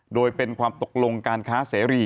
โดยเป็นความตกลงการค้าเสรี